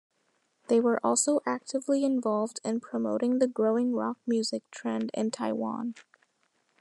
They were also actively involved in promoting the growing rock music trend in Taiwan.